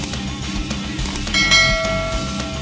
terima kasih chandra